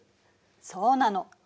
そうなの。